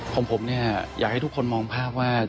ของผมเนี่ยอยากให้ทุกคนมองภาพว่า